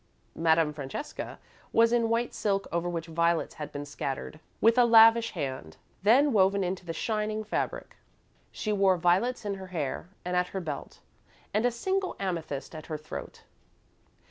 Madame Francesca was in white silk over which violets had been scattered with a lavish hand, then woven into the shining fabric. She wore violets in her hair and at her belt, and a single amethyst at her throat.